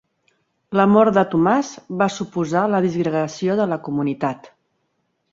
La mort de Tomàs va suposar la disgregació de la comunitat.